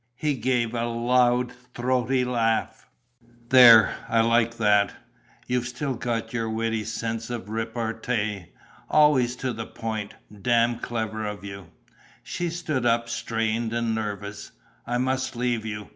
He gave a loud, throaty laugh: "There, I like that! You've still got your witty sense of repartee. Always to the point. Damned clever of you!" She stood up strained and nervous: "I must leave you.